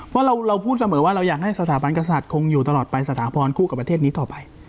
เพราะเราพูดเสมอว่าเราอยากให้สถาบันกษัตริย์คงอยู่ตลอดไปสถาพรคู่กับประเทศนี้ต่อไป